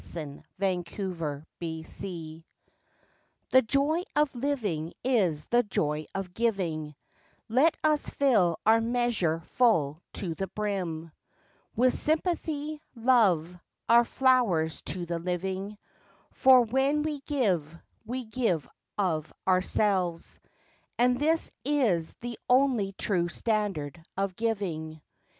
THE MEASURE The joy of living is the joy of giving, Let us fill our measure full to the brim, With sympathy, love, our flowers to the living, For when we give, we give of ourselves, And this is the only true standard of giving.